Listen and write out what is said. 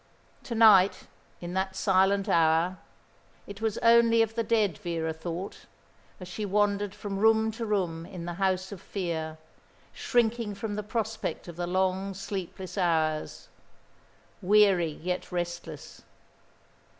To night, in that silent hour, it was only of the dead Vera thought, as she wandered from room to room in the house of fear, shrinking from the prospect of the long, sleepless hours, weary yet restless.